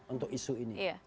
untuk isu ini